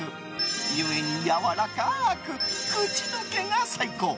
ゆえに、やわらかく口溶けが最高。